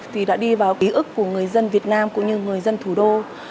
thì đã đi vào ký ức của người dân việt nam cũng như người dân thủ đô